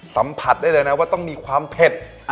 สัมผัสได้เลยนะว่าต้องมีความเผ็ด